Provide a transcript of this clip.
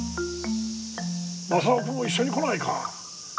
正雄君も一緒に来ないか。